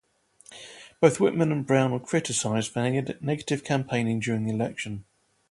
Both Whitman and Brown were criticized for negative campaigning during the election.